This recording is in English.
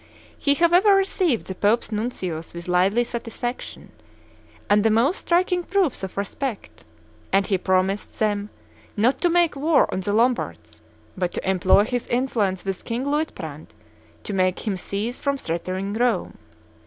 He, however, received the Pope's nuncios with lively satisfaction and the most striking proofs of respect; and he promised them, not to make war on the Lombards, but to employ his influence with King Luitprandt to make him cease from threatening Rome.